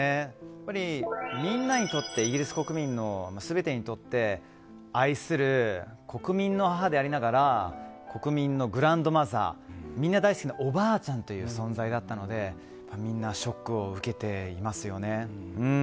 やっぱりみんなにとってイギリス国民の全てにとって愛する国民の母でありながら国民のグランドマザーみんな大好きなおばあちゃんという存在だったのでみんなショックを受けていますよね。